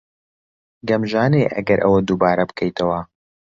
گەمژانەیە ئەگەر ئەوە دووبارە بکەیتەوە.